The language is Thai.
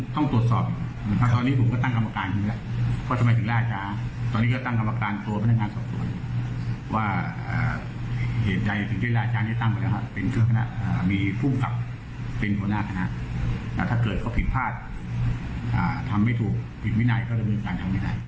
ทำไม่ถูกผิดวินัยก็จะมีความผิดวินัย